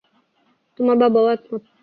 তোমার বাবাও একমত।